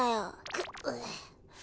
くっ。